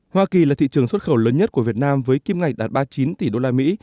hoa kỳ là thị trường xuất khẩu lớn nhất của việt nam với kim ngạch đạt ba mươi chín tỷ đô la mỹ